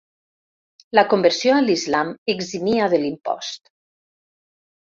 La conversió a l'islam eximia de l'impost.